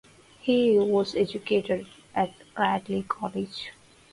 He was educated at Radley College.